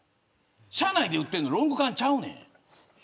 車内で売ってるのはロング缶ちゃうねん。